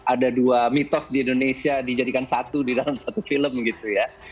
ada dua mitos di indonesia dijadikan satu di dalam satu film gitu ya